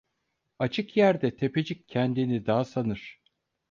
Açık yerde tepecik kendini dağ sanır.